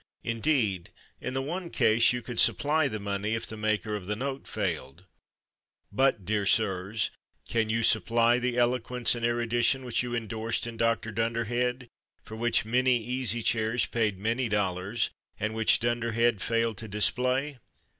Indeed, in the one case you could supply the money if the maker of the note failed. But, dear sirs, can you supply the eloquence and erudition which you indorsed in Dr. Dunderhead, for which many Easy Chairs paid many dollars, and which Dunderhead failed to display?